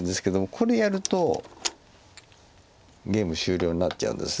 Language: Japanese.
これやるとゲーム終了になっちゃうんです。